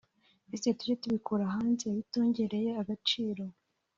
ese tujye tubikura hanze bitongereye agaciro